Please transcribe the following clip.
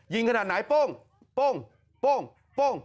ยิงขนาดไหนป้งป้งป้งป้ง